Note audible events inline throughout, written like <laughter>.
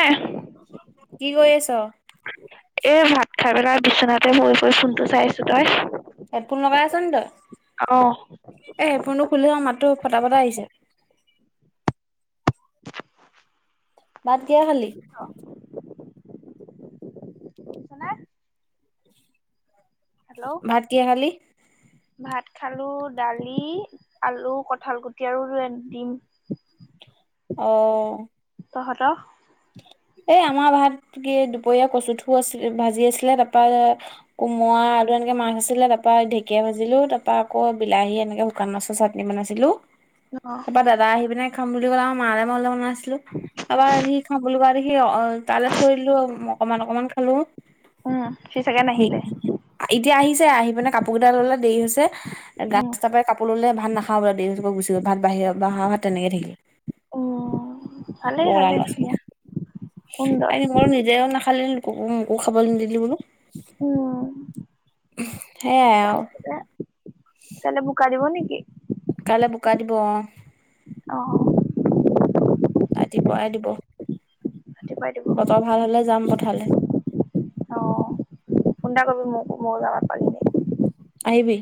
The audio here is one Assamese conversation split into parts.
এ কি কৰি আছ? এ ভাত খাই পেলাই বিচনাতে পৰি- পৰি ফোনটো চাই আছো, তই? হেডফোন লগাই আছ নি তই? অ এ, হেডফোনটো খুলি দে চোন মাতটো ফটা-ফটা আহিছে। ভাত কিহে খালি? অ',। <inaudible> হেল্ল'! ভাত কিহে খালি? ভাত খালোঁ দালি, আলু, কঠাল-গুটি, আৰু দিম। অ তহঁতৰ- এই আমাৰ ভাত কি দুপৰীয়া কচুঠু আছিল ভাজি আছিলে তাৰপা কোমৰা আৰু এনেকে মাছ আছিলে তাৰ পৰা ঢেকীয়া, ভাজিলো তাৰ পৰা আকৌ বিলাহী এনেকে শুকান মাছৰ চাটনি বনাইছিলো অ তাৰপৰা দাদা আহি পিনে খাম বুলি ক'লে মা মইলে অলপ বনাইছিলো তাৰপৰা সি খাম বুলি কোৱা দেখি- কি অ তালৈ থৈ দিলো অকমান অকমান খালো। উম সি চাগে নাহিলে এতিয়া আহিছে আহি পিনে কাপোৰ কেইটা ললে দেৰি হৈছে গা উম কাপোৰ <unintelligible> ভাত নাখায় বোলে দেৰি হৈছে গুচি গল ভাত বাহিৰে বাঢ়া ভাত তেনেকে থাকিল। অ ভাৱেই ভালেই ধুনীয়া। সুন্দৰ চাইনে নিজেও নাখালি মোকো খাবলৈ নিদিলি বোলো। উম সেয়াই আৰু কাইলৈ বোকা দিব নেকি? কালৈ বোকা দিব অ, অ ৰাতিপুৱাই দিব ৰাতিপুৱাই দিব। বতৰ ভাল হলে যাম পথাৰলে। অ ফোন এটা কৰিবি মোক মো যাব পাৰিম দে আহিবি।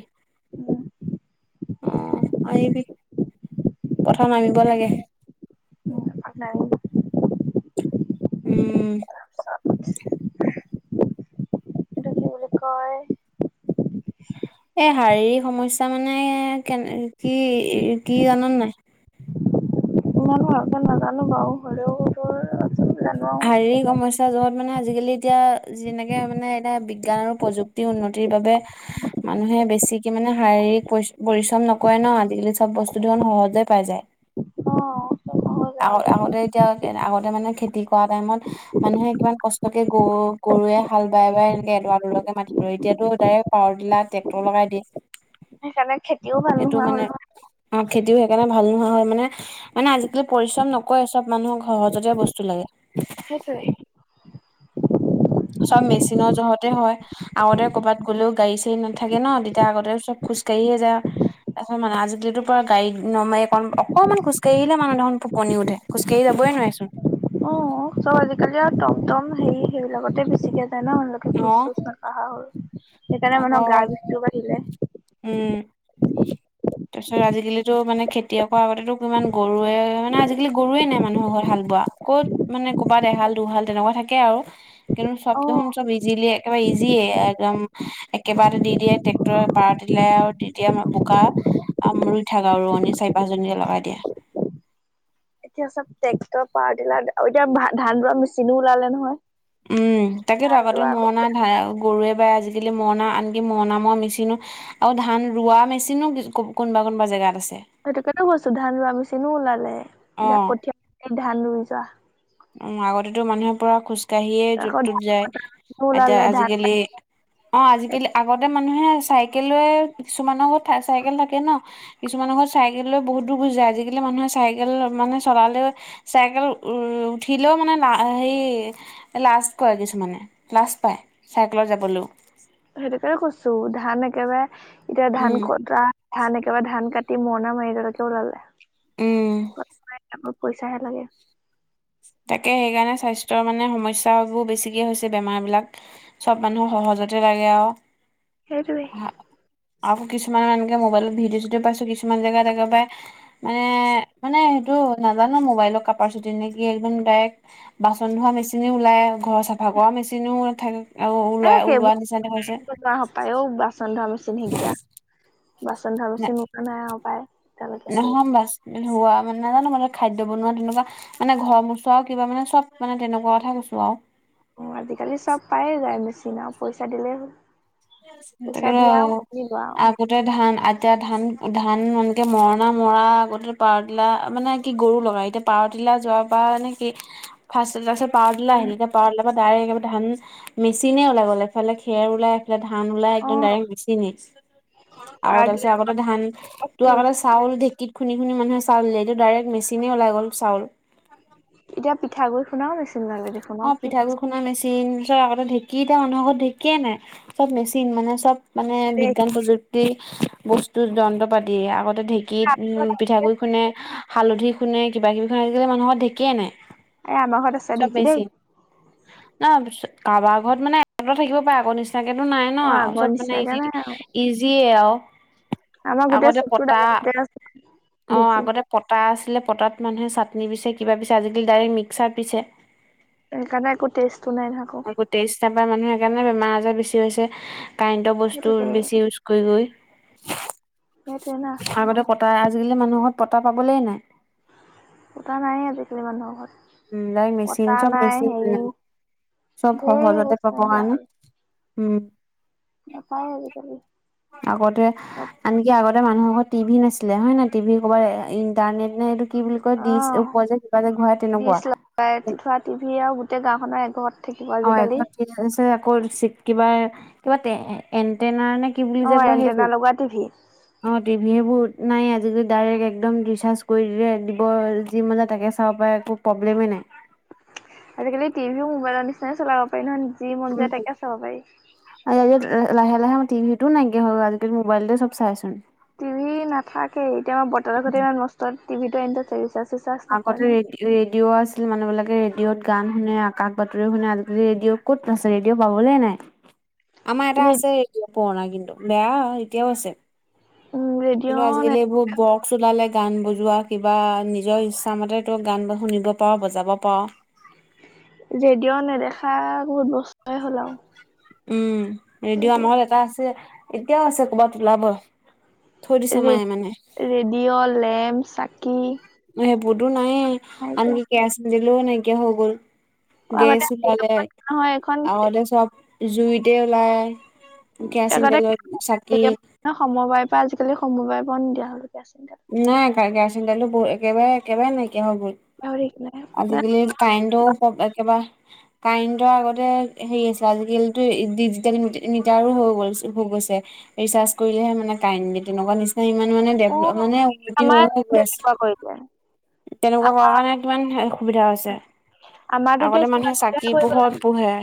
অ আহিবি পথা নামিব লাগে। আঠনাইন। উম। <unintelligible> এইটো কি বুলি কয়। এই শাৰীৰিক সমস্যা মানে কেনে কি কি জান নাই। ইমানো ভালকৈ নাজানোঁ বাৰু হ'লেও ধৰ জানো। আৰু শাৰীৰিক সমস্যা যত মানে আজিকালি এতিয়া। যেনেকে মানে এতিয়া বিজ্ঞান আৰু প্ৰযুক্তিৰ উন্নতিৰ বাবে। মানুহে বেছিকে মানে শাৰীৰিক পৰি পৰিশ্ৰম নকৰে ন আজিকালি চব বস্ত ধন সহজে পাই যায়। অ অ। আগ- আগতে এতিয়া আগতে মানে খেতি কৰা টাইমত। মানুহে কিমান কষ্টকে গৰু -গৰুৱে হাল বায় বায় এনেকে এডৰা এডৰা মাতি ৰুৱে এতিয়াতো ডাইৰেক। পাৱাৰ টিলাৰ ট্ৰেক্টৰ লগাই দিয়ে। সেইকাৰণে খেতিও ভাল সেইটো নোহোৱা মানে হ'ল নহয়। অ খেতিও সেইকাৰণে ভাল নোহোৱা হ'ল মানে মানে আজি। পৰিশ্ৰম নকৰে চব মানুহক সহজতে বস্তু লাগে। সেইটোৱে। চব মেচিনৰ জহতে হয়। আগতে কবাত গ'লেও গাড়ী চাড়ী নাথাকে ন তেতিয়া আগতে চব খোজকাঢ়িয়ে যায়। আছে মানে আজিকালিতো পোৰা গাড়ীত নমাই অক অকনমান খোজ কাঢ়িলে মানুহ দেখোন। কণী উঠে খোজকাঢ়ি যাব‌ই নোৱাৰেচোন। অ চব আজিকালি আৰু টম টম হেৰি সেইবিলাকতে বেছিকে যায় ন লোকে অ খুজ জুছ। আহা হ'ল সেইকাৰণে আকৌ মানুহক গা বিষটোও বাঢ়িলে। উম। তাৰপিছত আজিকালিতো মানে খেতিয়কৰ আগতে কিমান গৰুৱে মানে আজিকালি গৰুৱে নাই মানুহৰ ঘৰত হাল বোৱা ক'ত। মানে ক'ৰবাত এহাল দুহাল তেনেকুৱা থাকে আৰু। কিন্তু চব অ দেখোন চব ইজিলি একেবাৰে ইজিয়ে একদম। একেবাৰেতে দি দিয়ে ট্ৰেক্টৰে পাৰতিলাই আৰু দি দিয়ে বোকা। আম ৰুই থাকা আৰু ৰুৱনী চাৰি পাঁচজনীক লগাই দিয়া। এতিয়া চব ট্ৰেক্টৰ পাৱাৰ টিলাৰ এতিয়া ধান ৰোৱা মেচিনো ওলালে নহয়। উম তাকেতো ধান আগতে ৰোৱা মণাই কঠীয়া ধাই আৰু। গৰুৱে বাই আজিকালি মৰণা আনকি মৰণা মৰা মিচিনো। আৰু ধান ৰোৱা মেচিনো কিছু কো কোনোবা কোনোবা জেগাত আছে। সেইটোকানে কৈছো ধান ৰোৱা মেছিনো ওলালে এতিয়া অ' কঠীয়া ধান ৰুই যোৱা। উম আগতেতো মানুহে পূৰা খোজ কাঢ়িয়ে য'ত আকৌ তত ধান যায় কটা মেচিনো এতিয়া ওলালে ধান আজিকালি। অ আজিকালি আগতে মানুহে চাইকেলে কিছুমান ঘৰত চাইকেল থাকে ন। কিছুমানৰ ঘৰত চাইকেল লৈ বহুত দূৰ গুচি যায় আজিকালি মানুহে চাইকেল মানে চলালে। চাইকেল উ উঠিলেও মানে লা সেই। লাচ কৰে কিছুমানে লাচ পায় চাইকেলত যাবলৈও। সেইটো কাৰণে কৈছো ধান একেবাৰে এতিয়া ধান উম কটা। ধান একেবাৰে ধান কাটি মৰণা মাৰি এটালেকে ওলালে। উম। অকল পইচাহে লাগে। তাকে সেইকাৰণে স্বাস্থ্যৰ মানে সমস্যাবোৰ বেছিকে হৈছে বেমাৰ বিলাক। চব মানুহ সহজতে লাগে আৱ সেইটো কি আকৌ কিছুমান এনেকে মোবাইলত ভিডিঅ' চিডিঅ' পাইছো কিছুমান জেগাত একেবাৰে মানে মানে সেইটো নাজানো মোবাইলৰ কাপাৰ চুটি নে একদম ডাইৰেক্ট বাচন ধোৱা মেচিনও ওলাই ঘৰৰ চাফা কৰা মেচিনও থাকে আৰু ওলোৱা ওলোৱা নিচিনা হৈছে পায় অ বাচন ধোৱা মেচিন সেইকেইটা বাচন ধোৱা ন মেচিন নাই আৰু পাই নহয় বাচন ধোৱা মানে নাজানো মানে খাদ্য বনোৱা তেনেকুৱা মানে ঘৰৰ মোচোৱাও কিবা মানে চব মানে তেনেকুৱা কথা কৈছো আৱ অ আজিকালি চব পাই যায় মেচিন আৰু পইচা দিলেই হ'ল পইচা তাকেটো দিয়া আৰু আনিবা আৰু আগতে ধান এতিয়া ধান ধান এনকে মৰণা মৰা আগতে পাৰ দিলা মানে কি গৰু লগাই এতিয়া পাৱদিলা যোৱাৰ পৰা মানে কি ফাৰ্ষদিলাতো পাৱদিলা আহিল এতিয়া পাৱদিলাৰ পৰা ডাইৰেক ধান মেচিনে ওলাই এফালে খেৰ ওলাই ধান ওলাই অ একদম ডাইৰেক্ট মেচিনে আৰু তাৰপিছত আগতে ধান তো আগতে চাউল ঢেঁকীত খুন্দি খুন্দি মানুহে চাউল উলিয়াই এতিয়াটো ডাইৰেক্ট মেচিনে ওলাই গ'ল চাউল এতিয়া পিঠাগুড়ি খুন্দাও মেচিন ওলালে দেখোন অ কি পিঠাগুৰি খুন্দা মেচিন তাৰ আগতে ঢেঁকী এতিয়া মানুহ ঘৰত ঢেঁকিয়ে নাই চব মেচিন মানে চব মানে দেই বিজ্ঞান প্ৰযুক্তি বস্তুৰ যন্ত্ৰ পাতি আগতে ঢেঁকীত উম পিঠাগুৰি খুন্দে হালধি খুন্দে কিবা কিবি খন আজিকালি মানুহৰ ঘৰত ঢেঁকীয়ে নাই এ আমাৰ ঘৰত আছে চব ঢেঁকী দেই মেচিন ন কাৰোবাৰ ঘৰত মানে এটা দুটা থাকিব পাৰে আগৰ নিচিনা কেতো নাই ন অ আগৰ চব মানে নিচিনাকে ইজি নাই আৰু ইজিয়ে আৱ আমাৰ গোটেই আগতে চবটো পতা ডাঙৰ অ দেখি আগতে পতা আছিলে পতাত মানুহে চাটনি পিছে কিবা পিছে আজিকালি ডাইৰেক্ট মিক্সাৰ পিছে সেইকাৰণে একো টেষ্টতো নাই আক টেষ্ট নাপাই মানুহে সেইকাৰণে বেমাৰ আজাৰ বেছি হৈছে কাৰেণ্টৰ বস্তু সেইটোকে বেছি ইউচ গৈ গৈ সেইটোৱে ন আগতে পতা আজিকালি মানুহৰ ঘৰত পতা পাবলে নাই পতা নাই আজিকালি মানুহৰ ঘৰত উম ডাৰেক্ট কটা মেচিন চব নাই মেচিন হেৰি উম চব ধেৰ সহজতে বস্তু পাব নাইকিয়া কাৰনে হ'ল উম নাপায় আজিকালি আগতে চব আনকি আগতে মানুহ ঘৰত টিভি নাছিলে হয় নে টিভি ক'ৰবাত ইণ্টাৰনেট নে এইটো কি বুলি কয় অ দিচ ওপৰত যে ঘূৰাই যে তেনেকুৱা ডিচ লগাই কত থাকিব আজিকালি এ চে আকৌ কিবা কিবা এনটেইনাৰ নে কি কি বুলি অ যে কয় এণ্টেনা সেইটো লগোৱা টিভি অ টিভি সেইবোৰত নাই আজিকালি ডাইৰেক্ট একদম ৰিচাৰ্জ কৰি দিলে দিব যি মন যায় তাকে চাব চাব পাৰে একো প্ৰব্লেমেই নাই আজিকালি টিভিও মোবাইলৰ নিচিনাই চলাব পাৰি নহয় যি মন যায় তাকে চাব পাৰি আই আয়ে লাহে লাহে মই টিভিটো নাইকিয়া হ'ল আজিকালি মোবাইলতে চব চাই চোন টিভি নথাকেই এতিয়া বতৰে বতৰে নষ্ট টিভিটো এণ্ড হৈছে ৰিচাৰ্জ। চিচাৰ্জ নকৰে আগতে ৰে নহয় -ৰেডিঅ' আছিল মানুহ বিলাকে ৰেডিঅ'ত গান শুনে আকাশ বাতৰি শুনে আজিকালি ৰেডিঅ' ক'ত আছে ৰেডিঅ' পাবলৈ নাই। আমাৰ এটা ৰে আছে পুৰণা কিন্তু বেয়া এতিয়াও আছে। উম কিন্তু আজিকালি এইবোৰ ৰেডিঅ' বক্স ওলালে গান বজোৱা কিবা নিজৰ ইচ্ছামতে তই গান শুনিব পাৰ' বজাব পাৰ'। ৰেডিঅ' নেদেখা বহুত বছৰেই হল আও। উম ৰেডিঅ' আমাঘত এটা আছে এতিয়াও আছে ক'বাত ওলাব। থৈ দিছে ৰে মায়ে মানে। ৰেডিঅ', লেম্প, চাকি সেইবোৰতো নাইয়ে নাইকিয়া আনকি কেৰাচিন তেলোঁ নাইকিয়া হৈ গ'ল। অ গেছ আগতে ওলালে হেৰিয়ত নহয় এখন আগলে চব জুইতে ওলায় কেৰাচিন তেলত চাকি সময়বায় পৰা আজিকালি সমবায় পৰাও নিদিয়া হলগে চোন এতিয়া। নাই কেৰচিন তেলোঁ একেবাৰে একেবাৰে নাইকিয়া হৈ গল। পাহৰি থাকিলে মানে আজিকালি কাৰেণ্টও একেবাৰে কাৰেণ্টৰ আগতে হেৰি আছে আজিকালিতো ডিজিটেল মিটাৰো হৈ গল হৈ গৈছে। ৰিচাৰ্জ কৰিলেহে মানে কাৰেণ্ট দিয়ে তেনেকুৱা নিচিনা ইমান মানে মানে অ দেভেলপ মানে জটিল আমাৰ হৈ হৈ গৈ আছে। <unintelligible> তেনেকুৱা কৰাৰ আমাৰ কাৰণে কিমান সুবিধা হৈছে আমাৰতো এতিয়া আগতে চকুত মানুহে বেয়া চাকি কৰি পেলাই পোহৰত পঢ়ে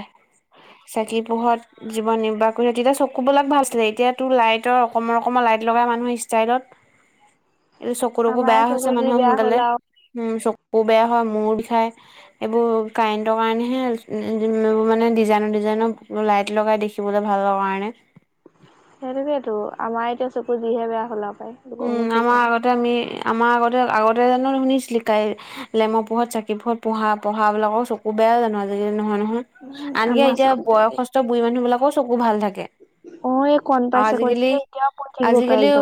চাকি পোহত জীৱন নিৰ্বাহ কৰিছিল। তেতিয়া চকুবিলাক ভাল আছিলে এতিয়া তোৰ লাইটৰ অকণমান অকণমান লাইট লগাই মানুহৰ ষ্টাইলত এইটো চকু তকু আমাৰ বেয়া চকু হৈছে যি মানুহৰ বেয়া হ'ল সোনকালে। আৰু উম চকু বেয়া হয় মূৰ বিষায় এইবোৰ কাৰে ণ্ট কাৰণেহে মানে ডিজাইনৰ ডিজাইনৰ লাইট লগাই দেখিবলৈ ভালৰ কাৰণে সেইটোকেতো আমাৰ এতিয়া চকু যিহে বেয়া হলা পায় লোকক উম নো কি আমাৰ কম। আগতে আমি আমাৰ আগতে আগতে জানো শুনিছিলি লেমৰ পোহত চাকি পহত পঢ়া পঢ়াবিলাকৰ চ কু বেয়াও জানো আজিকালি নহয় নহয় উম আনকি আমাৰ এতিয়া চকু বয়সস্থ বুঢ়ী মানুহ বিলাকো চকু ভাল থাকে। অ এই কণ পাইছে কণ আজিকালি এতিয়াও পৰি থাকিব পাৰে আজিকালি একদম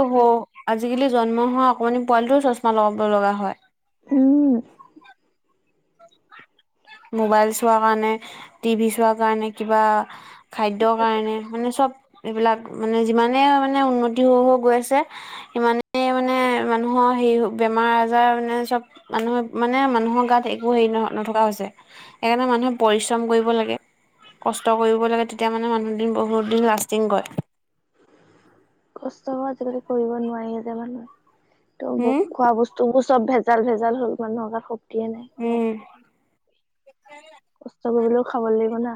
আজিকালি জন্ম হোৱা অকণমানি পোৱালিটোও চশমা লগাব লগা হয়। উম। মোবাইল চোৱা কাৰণে টিভি চোৱা কাৰণে কিবা খাদ্যৰ কাৰণে মানে চব এইবিলাক মানে যিমানে মানে উন্নতি হৈ হৈ গৈ আছে সিমানেই মানে মানুহৰ হেৰি বেমাৰ আজাৰ মানে চব মানুহে মানে মানুহৰ গাত একো হেৰি ন নথকা হৈছে। সেইকাৰণে মানুহে পৰিশ্ৰম কৰিব লাগে। কষ্ট কৰিব লাগে তেতিয়া মানে মানুহদিন বহুত দিন লাষ্টিং কৰে। কষ্ট আজিকালি কৰিব নোৱাৰি যে মানুহে ত হম খোৱা বস্তু তু চব ভেজাল ভেজাল হ'ল মানুহৰ গাত শক্তিয়ে নাই। উম <inaudible> চবে বোলো খাব লাগিব না।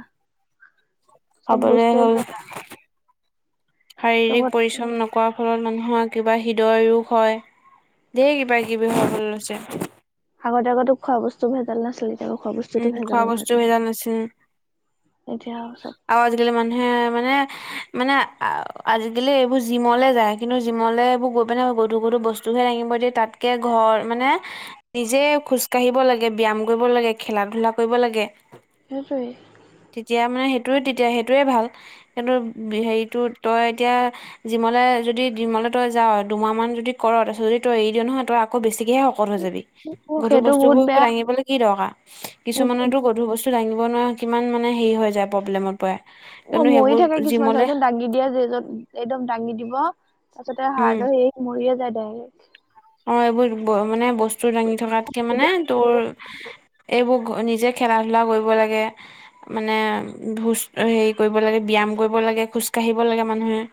চব খাবলৈ বস্তুৱে হল ভেজাল শাৰীৰিক চবত পৰিশ্ৰম প্ৰথম নকৰাৰ ফলত মানুহৰ কিবা হৃদয় ৰোগ হয় ধেৰ কিবা কিবি উম, হবলৈ লৈছে। আগতে আগতো খোৱা বস্তু ভেজাল নাছিলে। এতিয়া আক' খোৱা বস্তুটো উম ভেজাল খোৱা হয় বস্তু যে। ভেজাল নাছিল এতিয়া আৰু চব আৰু আজি-কালি মানুহে মানে মানে আ আজিকালি এইবোৰ জিমলে যায় কিন্তু জিমলে এইবোৰ গৈ পিনাই গধুৰ, গধুৰ বস্ বস্তুহে দাঙিব দিয়ে। তাত্কে ঘৰ মানে নিজে খোজ কাঢ়িব লাগে, ব্যায়াম কৰিব লাগে, খেলা -ধূলা কৰিব লাগে। সেইটোৱে। তিয়া মানে সেইটোৱে তেতিয়া, সেইটোৱে ভাল কিন্তু হেৰিটো তই এতিয়া জিমলে যদি জিমলে তই যাৱ, দুমাহমান যদি কৰ তাৰপিছত যদি তই এৰি দিয় নহয় তই আকৌ বেছিকেহে শকত হৈ যাবি। অ, গধুৰ সেইটো বহুত বস্তুবোৰ বেয়া দাঙিবলে কি দৰকাৰ। কিছুমানেটো গ গধুৰ বস্তু দাঙিব নোৱাৰে। কিমান মানে হেৰি হৈ যায়, প্ৰব্লেমত পৰে। অঁ, কিন্তু মৰি সেইবোৰ থাকে কিছুমান জিমলে চাবিচোন দাঙি দিয়া যি জন একদম দাঙি দিব, তাৰপাছতে হাৰ্ডৰ হেৰি মৰিয়ে যায় ডাইৰেক্ট। অঁ, এইবোৰ ব ' মানে বস্তু দাঙি থকাত্কে সেইটো মানে তোৰ এইবোৰ নিজে খেলা- ধূলা কৰিব লাগে। মানে ভোজ হেৰি কৰিব লাগে, ব্যায়াম কৰিব লাগে, খোজকাঢ়িব লাগে মানুহে।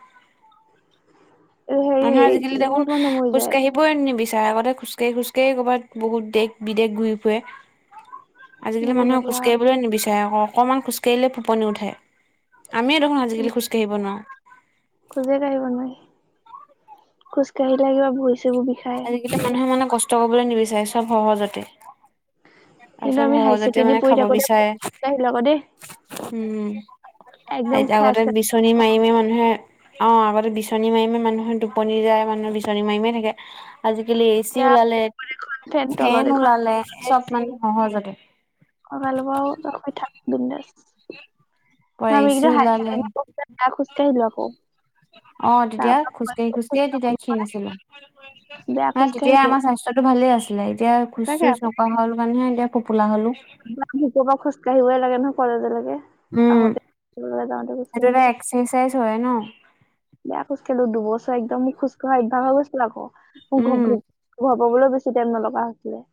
হেৰি মানুহে আজিকালি দেখোন বহুত মানুহ মৰি যায় খোজকাঢ়ি বই নিবিচাৰে। আগতে খোজকাঢ়ি, খোজকাঢ়ি কৰবাত বহুত দেশ বিদেশ ঘূৰি ফুৰে। আজিকালি মানুহে খোজকাঢ়িবলে নিবিচাৰে আক' অকণমান খোজকাঢ়িলে ফেপনি উঠে। আমিয়ে দেখোন আজিকালি খোজকাঢ়িব নোৱাৰোঁ। খোজেকাঢ়িব নোৱাৰি। খোজ-কাঢ়িলে কিবা ভৰি-চৰিবোৰ বিষাই। আজি-কালি মানুহে মানে কষ্ট কৰিবলে নিবিচাৰে চব সহজতে আৰু কিন্তু চব আমি হাই সহজতে ছেকেণ্ডেৰী মানে পঢ়ি খাব থাকোতে খুব বিচাৰে। কাঢ়িলো আকৌ দেই উম একদম হাৰিতে খ্ৰাচ আগতে খ্ৰাচ বিচনী মাৰি মাৰি এতিয়া মানুহে অঁ আগতে বিচনী মাৰি মাৰি মানুহে টোপনি যায়, মানুহে বিচনী মাৰি মাৰি থাকে। আজি-কালি এ চি ওলালে, ফেন ওলালে চব মানে সহজতে। লগাই ল'বাও তই শুই থাক বিন্দাছ। এ আমি চি কিন্তু ওলালে হাইছেকেণ্ডাৰী পঢ়োঁতে বেয়া খোজকাঢ়িলোঁ আক'। অঁ, তেতিয়া খোজকাঢ়ি খোজকাঢ়ি কাঢ়ো তেতিয়া ক্ষীণ নহয় আছিলোঁ। বেয়া খোজ তেতিয়াই কাঢ়িলো আমাৰ স্বাস্থ্য স্বাস্থ্যটো ভালে আছিলে এতিয়া খোজ সঁচাকে -চোজ আকৌ নকঢ়া হলোঁ কাৰনেহে এতিয়া ফোপোলা হ'লোঁ। আমাৰ কেতিয়াবা খোজকাঢ়িবই লাগে নহয় কলেজলৈকে। উম আহোতে খোজকাঢ়িব লাগে, যাওঁতে সেইটো খোজকাঢ়িব এটা লাগে। এক্সাৰচাইজ হয় ন'? বেয়া খোজকাঢ়িলোঁ দুবছৰ একদম মোক খোজকঢ়া অভ্যাস হৈ গৈছিলে আক'। মোৰ উম ঘ ঘ ঘ পাবলৈও বেছি টাইম নলগা হৈছিলে।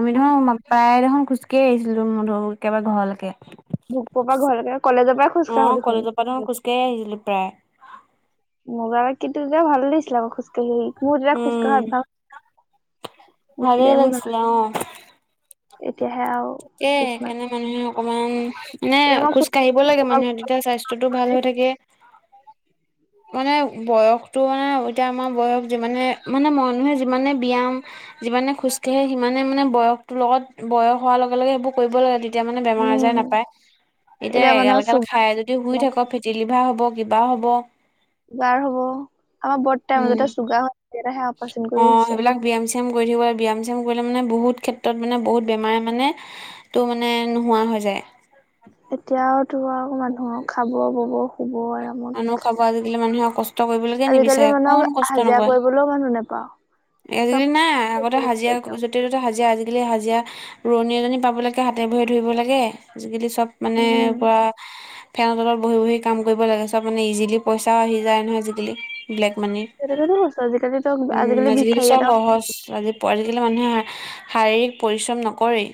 আমি দেখোন মা প্ৰায় দেখোন খোজকাঢ়ি আহিছিলোঁ ম ধৰ একেবাৰে ঘৰলৈকে। ভোক পৰা ঘৰলেকে কলেজৰ পৰাই অ খোজকাঢ়ো দেখোন। কলেজৰ পৰা খোজকাঢ়ি আহিছিলো প্ৰায় মজা লাগ্ কিন্তু যে ভাল লাগিছিলে আক' খোজ কাঢ়ি মোৰ তেতিয়া খোজকঢ়া অইভ্যাস ভালেই লাগিছিলে অঁ। এতিয়াহে আৰু তাকে, খোজ নাকাঢ়ো সেইকাৰণে মানুহে অকণমান মানে এতিয়া মই খোজ খোজকাঢ়িব লাগে কঢ়া- মানুহে তেতিয়া স্বাস্থ্যটো ভাল হৈ থাকে। মানে বয়সটো মানে এতিয়া আমাৰ বয়স যিমানে মানে, মানুহে যিমানে ব্যায়াম যিমানে খোজকাঢ়ে সিমানে মানে বয়সটোৰ লগত বয়স হোৱাৰ লগে লগে সেইবোৰ কৰিব লাগে। তেত্ তেতিয়া মানে বেমাৰ আজাৰে উম নাপায়। এতিয়া এগাল এগাল খাই যদি শুই চুগাৰ থাক ফেটি লিভাৰ হ'ব কিবা হ'ব। চুগাৰ হব আমাৰ বৰতাৰ উম। মাজটে চুগাৰ <unintelligible> সে অপাৰেচন অ', কৰি আহিছে সেইবিলাক ব্যায়াম - চিয়াম কৰি থাকিব আৰু ব্যায়াম - চিয়াম কৰিলে মানে বহুত ক্ষেত্ৰত মানে বহুত বেমাৰ মানে। ত' মানে নোহোৱা হৈ যায়। এতিয়া আৰু তোমাৰ <unintelligible> মানুহৰ খাব বব শুব আৰামত মানুহ খাব আজিকালি মানুহে কষ্ট কৰিবলৈকে আজিকালি নিবিচাৰে মানুহক অকন কষ্ট হাজিৰা নকৰে। কৰিবলৈও মানুহ নেপাওঁ <unintelligible> চব আজিকালি নাই আগতে ফেচিলিটি হাজিৰা একদম <unintelligible> য'তে ততে হাজিৰা আজিকালি হাজিৰা ৰুৱণী এজনী পাবলৈকে হাতে ভৰিয়ে ধৰিব লাগে আজিকালি চ <unintelligible> চব মানে উম, পুৰা ফেনৰ তলত বহি বহি কাম কৰিব লাগে <unintelligible> চব মানে ইজিলি পইচা আহি যায় নহয় আজিকালি ব্লেক মানি। সেইটো কাৰণে কৈছো আজিকালি তই উম আজিকালি ভিক্ষাৰী চব এটা সহজ আজি <unintelligible> পৰা আজিকালি মানুহে শাৰীৰিক পৰিশ্ৰম নকৰেই।